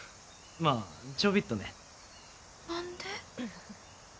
まあ、ちょびっとね。何で？